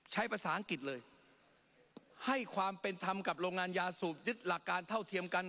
ใช้ภาษาอังกฤษเลยให้ความเป็นธรรมกับโรงงานยาสูบยึดหลักการเท่าเทียมกัน